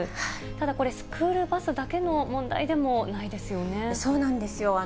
ただこれ、スクールバスだけの問題でもないですよね。